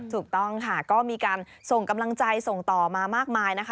ถูกต้องค่ะก็มีการส่งกำลังใจส่งต่อมามากมายนะคะ